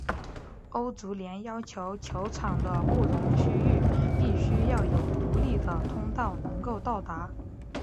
欧足联要求球场的不同区域必须要有独立的通道能够到达。